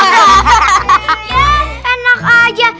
ya enak aja